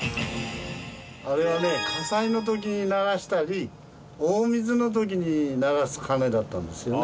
あれはね火災の時に鳴らしたり大水の時に鳴らす鐘だったんですよね。